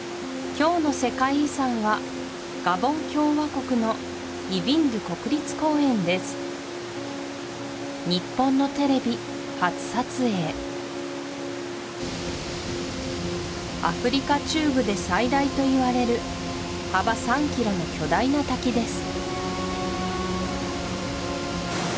今日の世界遺産はガボン共和国のイヴィンドゥ国立公園です日本のテレビ初撮影アフリカ中部で最大といわれる幅３ｋｍの巨大な滝です